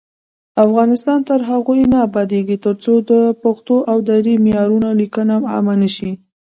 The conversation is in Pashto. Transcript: افغانستان تر هغو نه ابادیږي، ترڅو د پښتو او دري معیاري لیکنه عامه نشي.